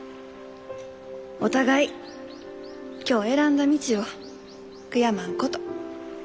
お互い今日選んだ道を悔やまんこと。